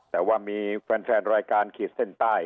แต่ว่ามีแฟนรายการขีดเส้นใต้